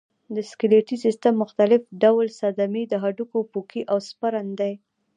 د سکلیټي سیستم مختلف ډول صدمې د هډوکو پوکی او سپرن دی.